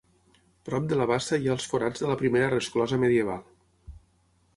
Prop de la bassa hi ha els forats de la primera resclosa medieval.